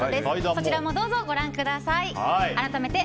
そちらもどうぞご覧ください。